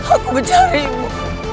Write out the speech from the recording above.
aku mencari ilmu